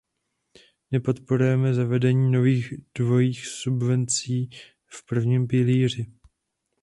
Nepodporujeme zavedení nových dvojích subvencí v prvním pilíři.